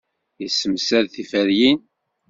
Yessemsad tiferyin.